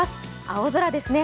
青空ですね。